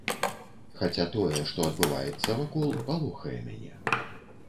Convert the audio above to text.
Хаця тое, што адбываецца вакол, палохае мяне.